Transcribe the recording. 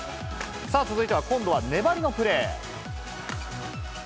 さあ、続いては、今度は粘りのプレー。